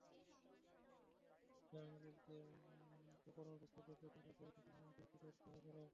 জাহাঙ্গীরকে কোপানোর দৃশ্য দেখে তাঁরা গাড়ি থেকে নেমে দুর্বৃত্তদের ধাওয়া করেন।